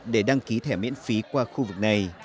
để đăng ký thẻ miễn phí qua khu vực này